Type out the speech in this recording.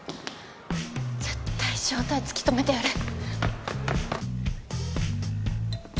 絶対正体突き止めてやる。